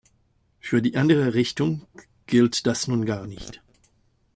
Für die andere Richtung gilt das nun gar nicht.